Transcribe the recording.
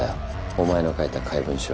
お前の書いた怪文書。